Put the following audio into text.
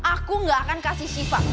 aku gak akan kasih shiva